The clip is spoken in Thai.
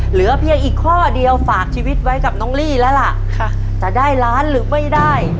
เหลือเพียงอีกข้อเดียวฝากชีวิตไว้กับน้องลี่แล้วล่ะค่ะจะได้ล้านหรือไม่ได้